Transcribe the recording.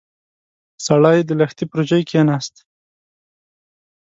سړی د لښتي پر ژۍ کېناست.